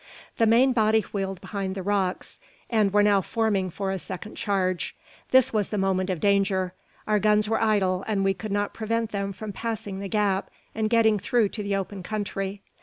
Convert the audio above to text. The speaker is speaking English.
The main body wheeled behind the rocks, and were now forming for a second charge. This was the moment of danger. Our guns were idle, and we could not prevent them from passing the gap, and getting through to the open country.